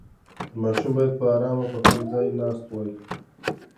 ماشوم باید په ارامه په خپل ځای ناست وای.